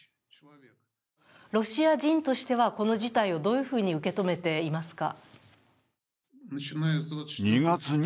ロシア人としてはこの事態をどういうふうに受け止めていますか？